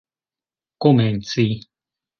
komenci